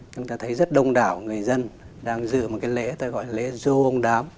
chúng ta thấy rất đông đảo người dân đang dự một cái lễ ta gọi là lễ dỗ ông đám